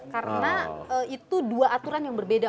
karena itu dua aturan yang berbeda